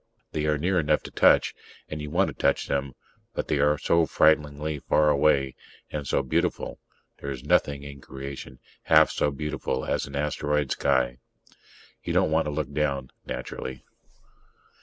They are near enough to touch, and you want to touch them, but they are so frighteningly far away ... and so beautiful: there's nothing in creation half so beautiful as an asteroid sky. You don't want to look down, naturally.